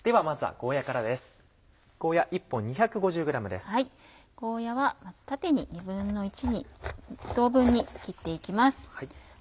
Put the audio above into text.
ゴーヤはまず縦に２等分に切って行きます。